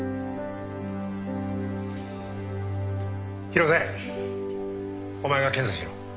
広瀬お前が検査しろ。